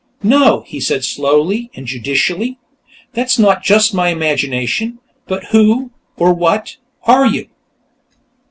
"No," he said, slowly and judicially. "That's not just my imagination. But who or what are you?"